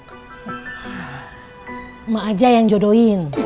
emak aja yang jodohin